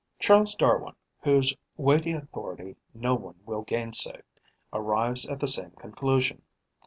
Charles Darwin, whose weighty authority no one will gainsay, arrives at the same conclusion.